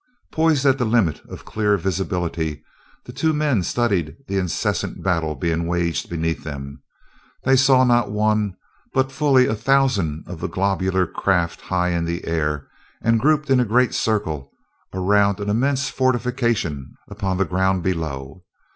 Poised at the limit of clear visibility, the two men studied the incessant battle being waged beneath them. They saw not one, but fully a thousand of the globular craft high in the air and grouped in a great circle around an immense fortification upon the ground below.